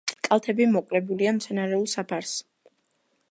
კალთები მოკლებულია მცენარეულ საფარს.